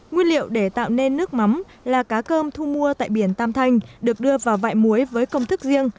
nguyên liệu để tạo nên nước mắm là cá cơm thu mua tại biển tam thanh được đưa vào vải muối với công thức riêng